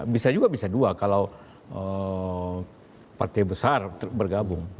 bisa juga bisa dua kalau partai besar bergabung